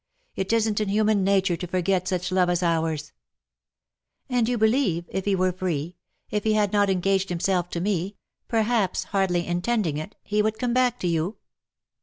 It isn't in human nature to forget such love as ours.'' ^^And you. believe — if he were free — if he had not engaged himself to me — perhaps hardly intending it — he would come back to you?"